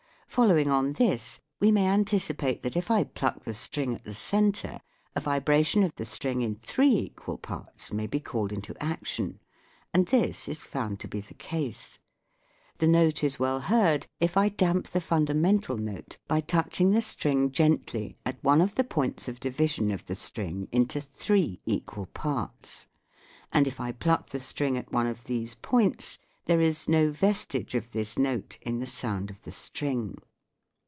Following on this we may anticipate that if I pluck the string at the centre a vibration of the string in three equal parts may be called into action ; and this is found to be the case. The note is well heard if I damp the fundamental note by touching the string gently at one of the points of division of the string into three equal parts. And if I pluck the string at one of these points there is no vestige of this note in the sound of the string.